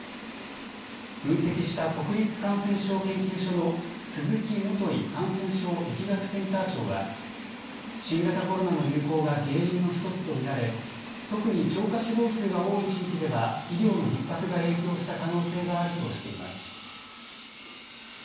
分析した国立感染症研究所の鈴木基感染症疫学センター長は新型コロナの流行が原因の一つとみられ特に超過死亡数が多い地域では医療のひっ迫が影響した可能性があるとしています。